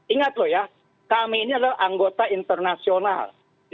ingat loh ya kami ini adalah anggota internasional